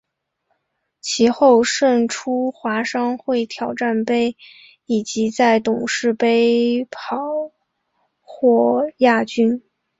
其后胜出华商会挑战杯以及在董事杯跑获亚军。